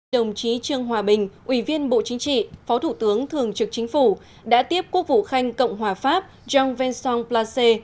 đồng chí trương hòa bình ủy viên bộ chính trị phó thủ tướng thường trực chính phủ đã tiếp quốc vụ khanh cộng hòa pháp jean vincent plassé